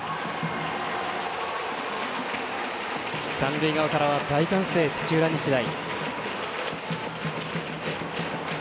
三塁側からは大歓声土浦日大。